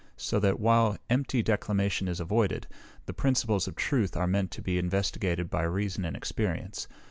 So that, while empty declamation is avoided, the principles of truth are meant to be investigated by reason and experience.